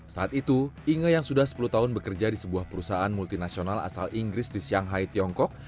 saat itu inge yang sudah sepuluh tahun bekerja di sebuah perusahaan multinasional asal inggris di shanghai tiongkok